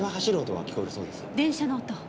電車の音。